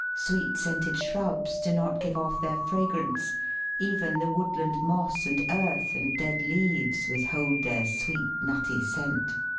Sweet scented shrubs do not give off their fragrance; even the woodland moss and earth and dead leaves withhold their sweet, nutty scent.